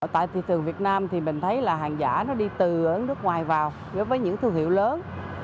tại thị trường việt nam thì mình thấy là hàng giả nó đi từ nước ngoài vào với những thương hiệu lớn